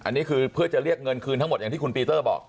อันนี้คือเพื่อจะเรียกเงินคืนทั้งหมดอย่างที่คุณปีเตอร์บอก